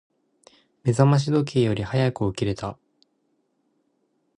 目覚まし時計より早く起きれた。